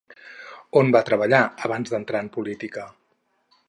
On va treballar abans d'entrar en política?